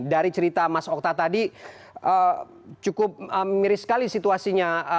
dari cerita mas okta tadi cukup miris sekali situasinya